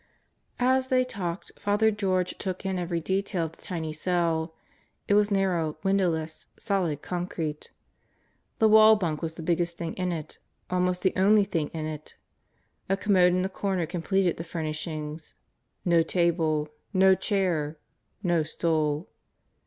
As they talked Father George took in every detail of the tiny cell. It was narrow, windowless, solid concrete. The wall bunk was the biggest thing in it, almost the only thing in it. A commode in the corner completed the furnishings. No table. No chair. No stool.